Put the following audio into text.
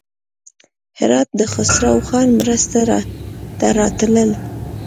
هراته د خسروخان مرستې ته راتلل.